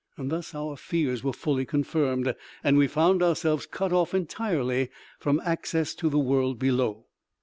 Thus our fears were fully confirmed, and we found ourselves cut off entirely from access to the world below.